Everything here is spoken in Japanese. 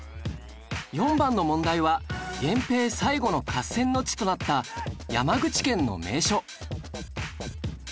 ４番の問題は源平最後の合戦の地となった山口県の名所